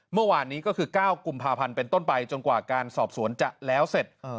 เมื่อวานนี้ก็คือ๙กุมภาพันธ์เป็นต้นไปจนกว่าการสอบสวนจะแล้วเสร็จ